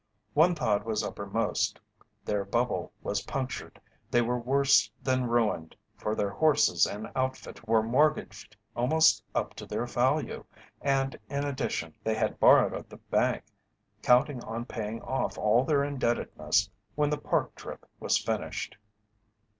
One thought was uppermost, their bubble was punctured, they were worse than ruined, for their horses and outfit were mortgaged almost up to their value, and in addition, they had borrowed at the bank, counting on paying off all their indebtedness when the Park trip was finished.